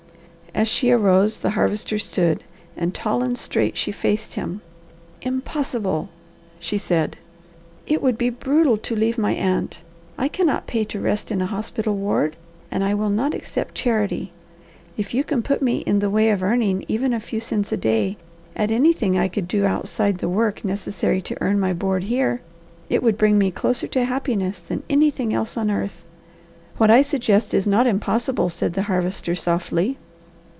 As she arose the Harvester stood, and tall and straight she faced him. "Impossible!" she said. "It would be brutal to leave my aunt. I cannot pay to rest in a hospital ward, and I will not accept charity. If you can put me in the way of earning, even a few cents a day, at anything I could do outside the work necessary to earn my board here, it would bring me closer to happiness than anything else on earth." "What I suggest is not impossible," said the Harvester softly.